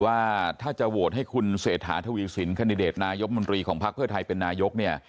ว่าถ้าจะโหวตให้คุณเศรษฐาทวีสินคันดิเดตนายกมนตรีของพักเพื่อไทยเป็นนายกเนี่ย